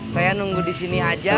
saya nunggu disini aja